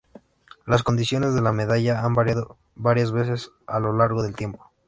Las condiciones de la medalla han variado varias veces a lo largo del tiempo.